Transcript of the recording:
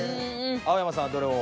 青山さんはどれを？